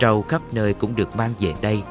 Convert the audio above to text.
trâu khắp nơi cũng được mang về đây